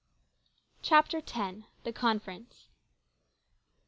CHAPTER X. THE CONFERENCE.